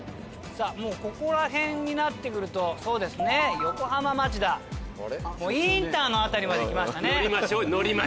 ここら辺になって来ると横浜町田インターの辺りまで来ましたね。